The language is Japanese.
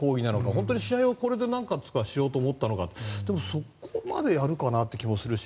本当に試合をなんとかしようとしたのかでも、そこまでやるかなって気もするし。